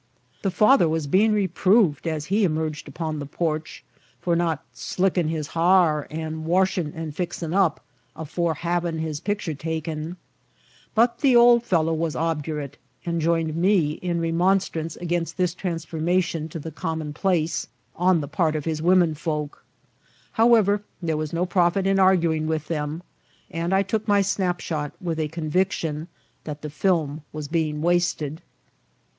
The father was being reproved, as he emerged upon the porch, for not "slick'n' his ha'r, and wash'n' and fix'n' up, afore hay'n' his pictur' taken;" but the old fellow was obdurate, and joined me in remonstrance against this transformation to the commonplace, on the part of his women folk. However, there was no profit in arguing with them, and I took my snap shot with a conviction that the film was being wasted.